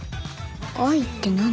愛って何？